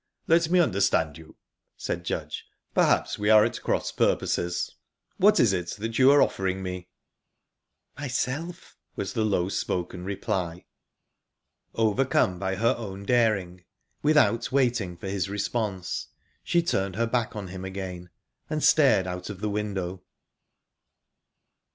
"Let me understand you," said Judge, "for perhaps we are at cross purposes. What is it you are offering me?" "Myself," was the low spoken reply. Overcome by her own daring, without waiting for his response, she turned her back on him again, and stared out of the window.